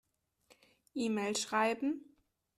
E-Mail schreiben.